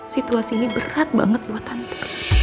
situasi ini berat banget buat tante